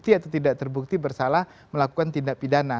atau tidak terbukti bersalah melakukan tindak pidana